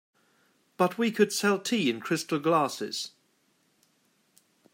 But we could sell tea in crystal glasses.